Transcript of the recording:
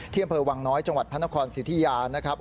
อำเภอวังน้อยจังหวัดพระนครสิทธิยานะครับ